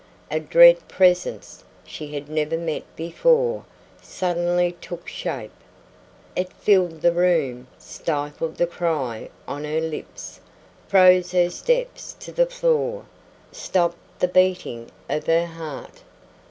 A dread presence she had never met before suddenly took shape. It filled the room; stifled the cry on her lips; froze her steps to the floor, stopped the beating of her heart.